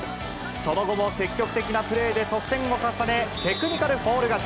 その後も積極的なプレーで得点を重ね、テクニカルフォール勝ち。